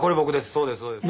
そうですそうです。